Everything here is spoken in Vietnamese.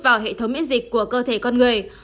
vào hệ thống miễn dịch của cơ thể con người